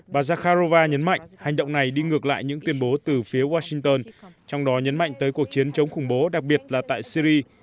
bà zakharova nhấn mạnh hành động này đi ngược lại những tuyên bố từ phía washington trong đó nhấn mạnh tới cuộc chiến chống khủng bố đặc biệt là tại syri